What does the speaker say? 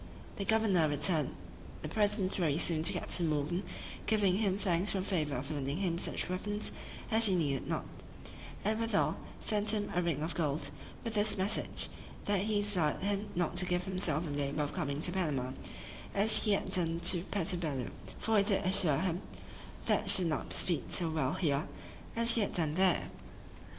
" The governor returned the present very soon to Captain Morgan, giving him thanks for the favor of lending him such weapons as he needed not; and, withal, sent him a ring of gold, with this message, "that he desired him not to give himself the labor of coming to Panama, as he had done to Puerto Bello: for he did assure him, he should not speed so well here, as he had done there."